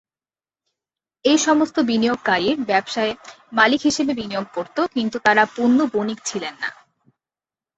এই সমস্ত বিনিয়োগকারীরা ব্যবসায়ে মালিক হিসেবে বিনিয়োগ করত, কিন্তু তারা পণ্য বণিক ছিলেন না।